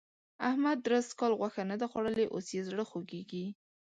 احمد درست کال غوښه نه ده خوړلې؛ اوس يې زړه خوږېږي.